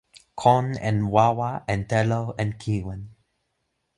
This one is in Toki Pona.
kon en wawa en telo en kiwen